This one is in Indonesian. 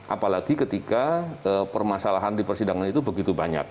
apalagi ketika permasalahan di persidangan itu begitu banyak